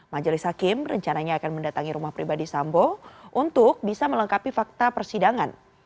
majelis hakim rencananya akan mendatangi rumah pribadi sambo untuk bisa melengkapi fakta persidangan